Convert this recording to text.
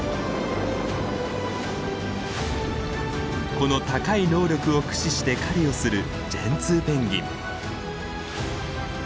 この高い能力を駆使して狩りをするジェンツーペンギン。